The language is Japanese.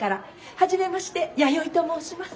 はじめまして弥生と申します。